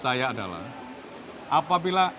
saya adalah apabila